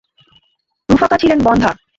রুফাকা ছিলেন বন্ধ্যা।